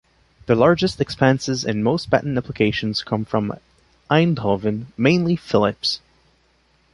The largest expenses and most patent applications come from Eindhoven, mainly Philips.